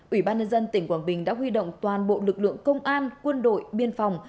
ủy ban nhân dân tỉnh quảng bình đã huy động toàn bộ lực lượng công an quân đội biên phòng